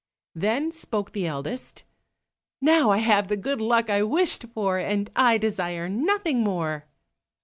Then spoke the eldest, "Now I have found the good luck I wished for, and I desire nothing more."